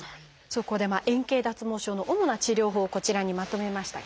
そこで円形脱毛症の主な治療法をこちらにまとめました。